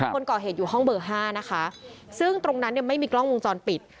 คนก่อเหตุอยู่ห้องเบอร์ห้านะคะซึ่งตรงนั้นเนี่ยไม่มีกล้องวงจรปิด